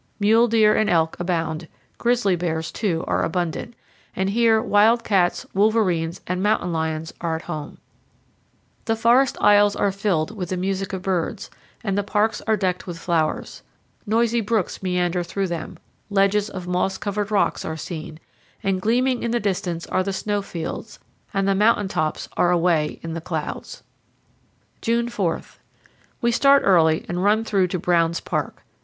Mule deer and elk abound; grizzly bears, too, are abundant; and here wild cats, wolverines, and mountain lions are at home. The forest aisles are filled with the music of birds, and the parks are decked powell canyons 100.jpg "HOGBACKS," WITH INTERVENING VALLEYS. with flowers. Noisy brooks meander through them; ledges of moss covered rocks are seen; and gleaming in the distance are the snow fields, and the mountain tops are away in the clouds. June 4 We start early and run through to Brown's Park.